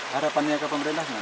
harapannya ke pemerintah gimana